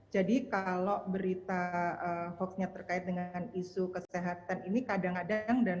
jadi kalau berita hoaxnya terkait dengan isu kesehatan ini kadang kadang